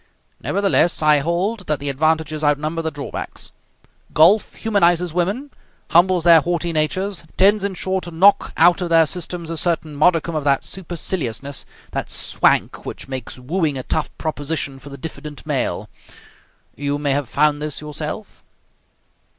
Nevertheless, I hold that the advantages outnumber the drawbacks. Golf humanizes women, humbles their haughty natures, tends, in short, to knock out of their systems a certain modicum of that superciliousness, that swank, which makes wooing a tough proposition for the diffident male. You may have found this yourself?"